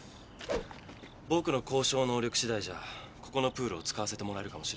僕の交渉能力次第じゃここのプールを使わせてもらえるかもしれないな。